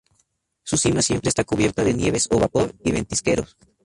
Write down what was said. Su cima siempre está cubierta de nieves o vapor y ventisqueros.